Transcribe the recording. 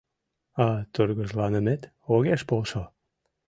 А тургыжланымет огеш полшо.